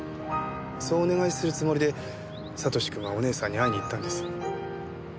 お願いするつもりで悟志君はお姉さんに会いに行ったんです。